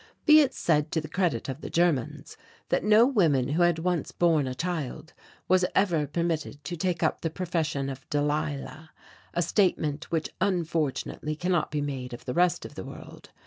Be it said to the credit of the Germans that no women who had once borne a child was ever permitted to take up the profession of Delilah a statement which unfortunately cannot be made of the rest of the world.